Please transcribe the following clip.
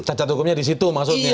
cacat hukumnya disitu maksudnya